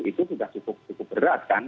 itu sudah cukup berat kan